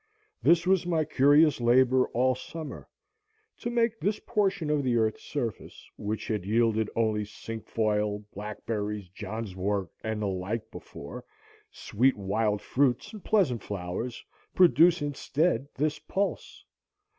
This was my curious labor all summer,—to make this portion of the earth's surface, which had yielded only cinquefoil, blackberries, johnswort, and the like, before, sweet wild fruits and pleasant flowers, produce instead this pulse.